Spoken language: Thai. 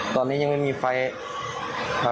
ตอนนี้ยังไม่มีไฟครับ